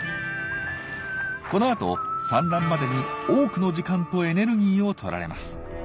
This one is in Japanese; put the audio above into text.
このあと産卵までに多くの時間とエネルギーを取られます。